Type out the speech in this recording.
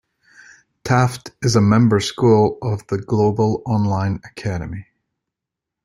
Taft is a member school of the Global Online Academy.